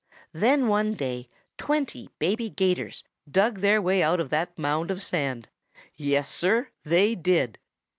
Then one day twenty baby 'Gators dug their way out of that mound of sand. Yes, Sir, they did.